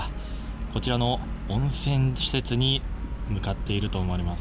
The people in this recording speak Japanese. こちらの温泉施設に向かっていると思われます。